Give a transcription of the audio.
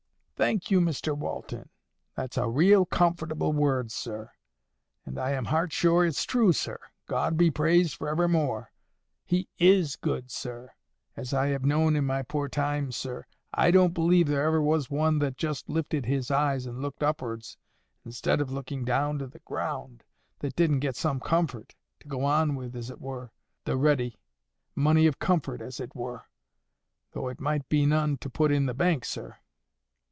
"Thank you, Mr Walton. That's a real comfortable word, sir. And I am heart sure it's true, sir. God be praised for evermore! He IS good, sir; as I have known in my poor time, sir. I don't believe there ever was one that just lifted his eyes and looked up'ards, instead of looking down to the ground, that didn't get some comfort, to go on with, as it were—the ready—money of comfort, as it were—though it might be none to put in the bank, sir."